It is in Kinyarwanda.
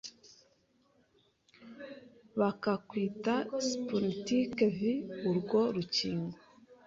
bakarwita Sputnik V urwo rukingo